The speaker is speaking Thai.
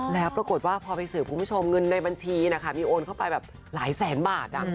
แล้วปรากฏว่าพอไปสืบคุณผู้ชมเงินในบัญชีนะคะมีโอนเข้าไปแบบหลายแสนบาท